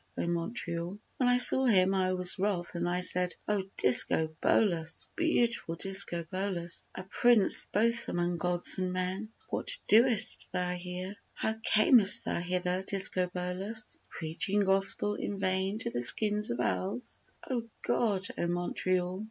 O Montreal! When I saw him I was wroth and I said, "O Discobolus! Beautiful Discobolus, a Prince both among gods and men! What doest thou here, how camest thou hither, Discobolus, Preaching gospel in vain to the skins of owls?" O God! O Montreal!